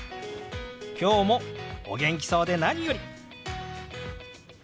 今日もお元気そうで何より！